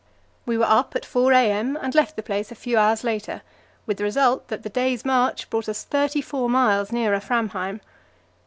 We were up at 4 a.m. and left the place a few hours later, with the result that the day's march brought us thirty four miles nearer Framheim.